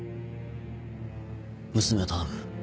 娘を頼む。